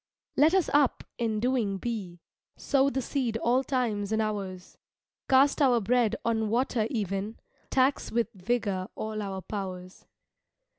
Let us up and doing be, Sow the seed all times and hours; Cast our bread on water even, Tax with vigor all our powers.